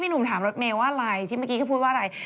พี่หนุ่มถามมักมาเรีย์ทรัพย์ว่าอะไร